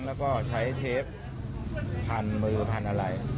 แล้วก็ใช้เทปพันมือพันอะไร